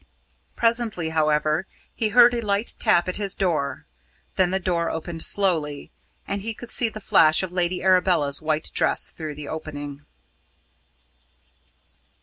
Presently, however, he heard a light tap at his door, then the door opened slowly, and he could see the flash of Lady Arabella's white dress through the opening.